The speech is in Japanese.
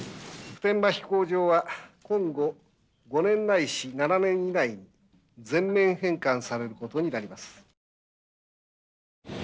普天間飛行場は今後５年ないし７年以内に全面返還されることになります。